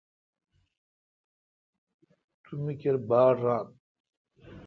تو می کیر باڑ ران۔